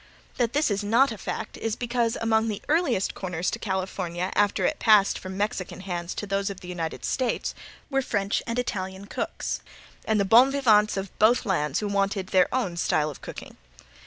That this is not a fact is because among the earliest corners to California after it passed from Mexican hands to those of the United States, were French and Italian cooks, and the bon vivants of both lands who wanted their own style of cooking.